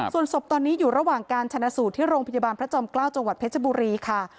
ส่วนศพตอนนี้อยู่ระหว่างการชนะสูตรที่โรงพยาบาลพระจอมเกล้าจังหวัดเพชรบุรีค่ะ